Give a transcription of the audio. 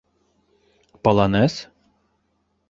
Полонез?!